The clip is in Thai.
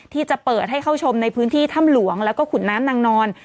ที่จะเปิดให้เข้าชมในพื้นที่ถ้ำหลวงแล้วก็ขุนน้ำนางนอน